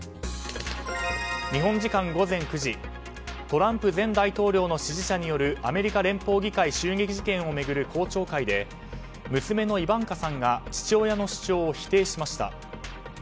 日本時間午前９時トランプ前大統領の支持者によるアメリカ連邦議会襲撃事件を巡る公聴会で娘のイバンカさんが父親の主張を否定しました。